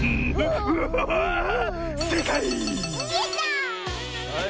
せいかい！